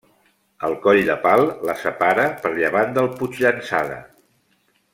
El coll de Pal la separa per llevant del Puigllançada.